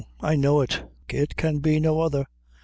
I know it; it can be no other.